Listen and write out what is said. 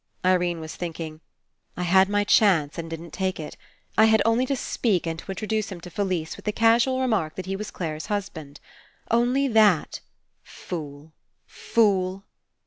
Irene was thinking: "I had my chance and didn't take It. I had only to speak and to Introduce him to Felise with the casual remark that he was Clare's husband. Only that. Fool. Fool."